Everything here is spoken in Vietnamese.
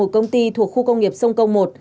công ty thuộc khu công nghiệp sông công một